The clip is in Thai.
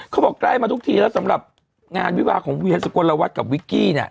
เขาบอกได้มาทุกทีแล้วสำหรับงานวิวาของเวียสกวนละวัดกับวิกกี้เนี้ย